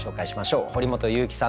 堀本裕樹さんです。